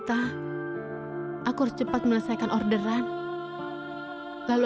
aku akan menemukanmu